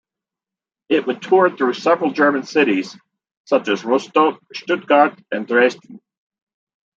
It would tour through several German cities, such as Rostock, Stuttgart, and Dresden.